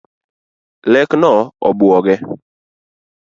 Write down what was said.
Lek no obuoge